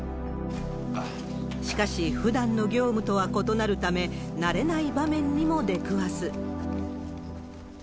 しかし、ふだんの業務とは異なるため、慣れない場面にも出くわす。